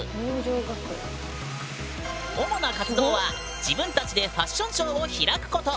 主な活動は自分たちでファッションショーを開くこと。